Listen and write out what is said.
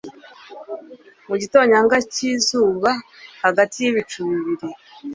Mu gitonyanga cyizuba hagati yibicucu bibiri